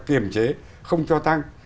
kiểm chế không cho tăng